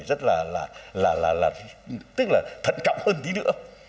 để rất là thận trọng hơn tí nữa